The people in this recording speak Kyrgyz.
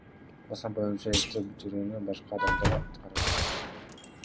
Басма боюнча иштеп бүтүрүүнү башка адамдар аткарышкан.